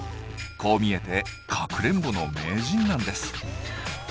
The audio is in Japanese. こう見えてかくれんぼの名人なんです。